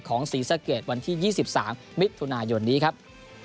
ของซีเซอร์เกรดวันที่๒๓มิธุนายนนี้ครับ